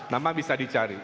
nama bisa dicari